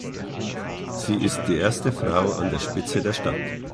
Sie ist die erste Frau an der Spitze der Stadt.